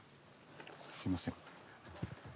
すいません。